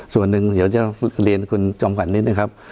ส่วนหนึ่งเรียนจองฝั่นนี้นะครับ